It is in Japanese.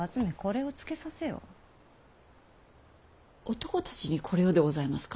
男たちにこれをでございますか？